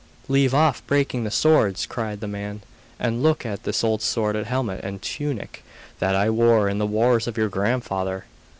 'Leave off breaking the swords,' cried the man, 'and look at this old sword and helmet and tunic that I wore in the wars of your grandfather.